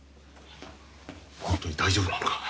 ホントに大丈夫なのか？